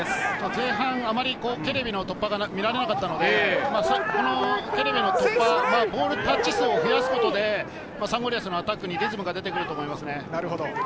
前半あまりケレビの突破が見られなかったので、ケレビの突破、ボールタッチ数を増やすことでサンゴリアスのアタックにリズムが出てくると思いますね。